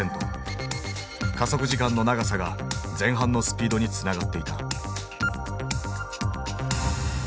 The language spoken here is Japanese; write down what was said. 加速時間の長さが前半のスピードにつながっていた。